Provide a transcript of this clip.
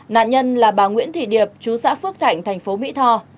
nạn nhân là bà nguyễn thị điệp chú xã phước thạnh thành phố mỹ tho